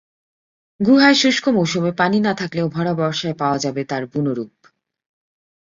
গুহায় শুষ্ক মৌসুমে পানি না থাকলেও ভরা বর্ষায় পাওয়া যাবে তার বুনো রূপ।